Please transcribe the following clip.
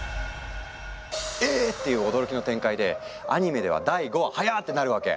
「え！」っていう驚きの展開でアニメでは第５話早ってなるわけ。